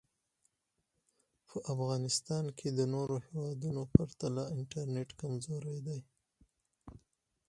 په افغانیستان کې د نورو هېوادونو پرتله انټرنټ کمزوری دی